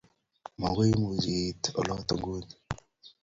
Makoi imuch iit olotok nguni